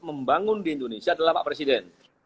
membangun di indonesia adalah pak presiden